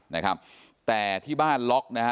นะครับแต่ที่บ้านล็อกนะฮะ